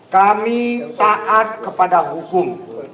kami taat kepada hukum